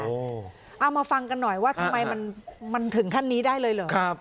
เอามาฟังกันหน่อยว่าทำไมมันถึงขั้นนี้ได้เลยเหรอ